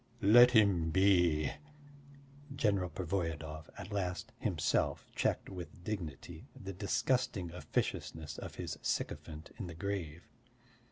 "Let him be." General Pervoyedov at last himself checked with dignity the disgusting officiousness of his sycophant in the grave.